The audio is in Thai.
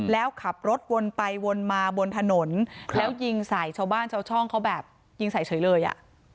แล้วขับรถวนไปวนมาบนถนนแล้วยิงใส่ชาวบ้านชาวช่องเขาแบบยิงใส่เฉยเลยอ่ะ